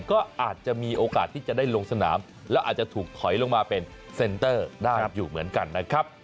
ก็อาจจะมีโอกาสที่จะได้ลงสนามแล้วอาจจะถูกถอยลงมาเป็นเซ็นเตอร์ได้อยู่เหมือนกันนะครับ